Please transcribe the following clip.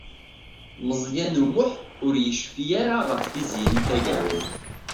Meẓyan U Muḥ ur yecfi ara ɣef Tiziri Tagawawt.